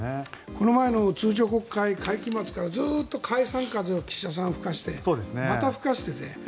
この前の通常国会会期末からずっと解散風を岸田さんが吹かせていてまた吹かせてね。